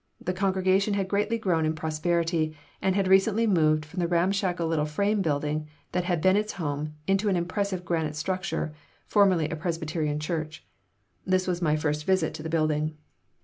The congregation had greatly grown in prosperity and had recently moved from the ramshackle little frame building that had been its home into an impressive granite structure, formerly a Presbyterian church. This was my first visit to the building.